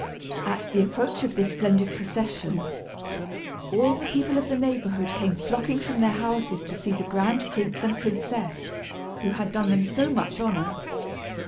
At the approach of this splendid procession, all the people of the neighborhood came flocking from their houses to see the grand prince and princess, who had done them so much honor.